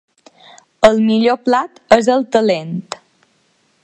El millor plat és el talent.